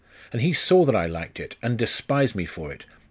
And he saw that I liked it, and despised me for it....